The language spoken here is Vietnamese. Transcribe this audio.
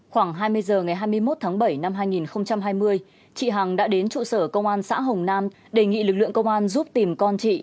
khoảng hai mươi h ngày hai mươi một tháng bảy năm hai nghìn hai mươi chị hằng đã đến trụ sở công an xã hồng nam đề nghị lực lượng công an giúp tìm con chị